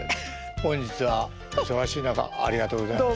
本日はお忙しい中ありがとうございました。